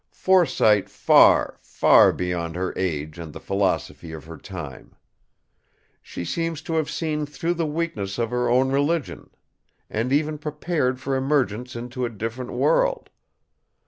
Foresight far, far beyond her age and the philosophy of her time. She seems to have seen through the weakness of her own religion, and even prepared for emergence into a different world.